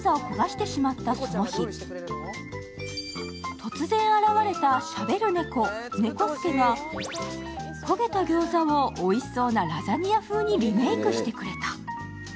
突然現れたしゃべる猫ネコ助が焦げたギョーザをおいしそうなラザニア風にメリークしてくれた。